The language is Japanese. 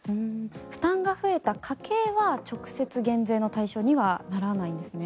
負担が増えた家計は直接、減税の対象にはならないんですね。